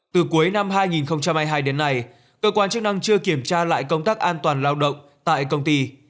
từ cuối năm hai nghìn hai mươi hai đến nay cơ quan chức năng chưa kiểm tra lại công tác an toàn lao động tại công ty